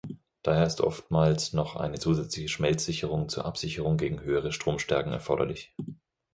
Daher ist oftmals noch eine zusätzliche Schmelzsicherung zur Absicherung gegen höhere Stromstärken erforderlich.